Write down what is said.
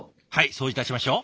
そういたしましょう。